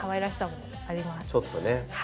ちょっとね